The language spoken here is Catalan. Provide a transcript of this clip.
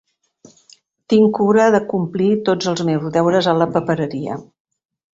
Tin cura de complir tots les meus deures a la papereria.